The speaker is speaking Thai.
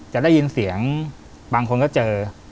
จะได้ยินเสียงบางคนก็เจอ